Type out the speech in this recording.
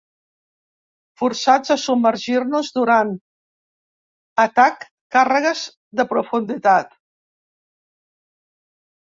Forçats a submergir-nos durant atac, càrregues de profunditat.